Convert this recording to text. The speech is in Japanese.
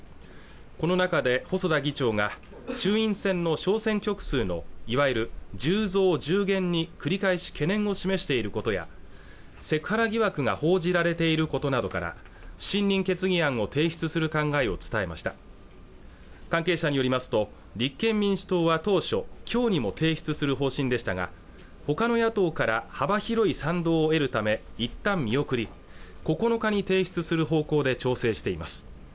この中で細田議長が衆院選の小選挙区数のいわゆる１０増１０減に繰り返し懸念を示していることやセクハラ疑惑が報じられていることなどから不信任決議案を提出する考えを伝えました関係者によりますと立憲民主党は当初今日にも提出する方針でしたがほかの野党から幅広い賛同を得るためいったん見送り９日に提出する方向で調整しています